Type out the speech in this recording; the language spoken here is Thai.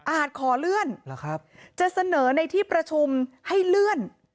ขอเลื่อนจะเสนอในที่ประชุมให้เลื่อน